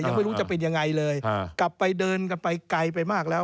ยังไม่รู้จะเป็นยังไงเลยกลับไปเดินกันไปไกลไปมากแล้ว